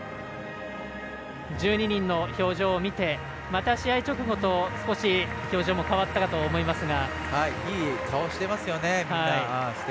１２人の表情を見てまた試合直後と少し表情も変わったかと思いますが。